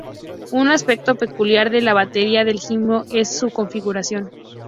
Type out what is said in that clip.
Un aspecto peculiar de la batería de Jimbo es su configuración.